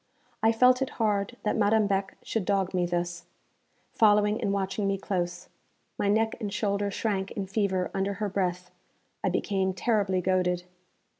I felt it hard that Madame Beck should dog me thus, following and watching me close. My neck and shoulder shrank in fever under her breath; I became terribly goaded.